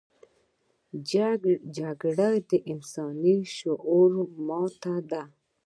جګړه د انساني شعور ماتې ده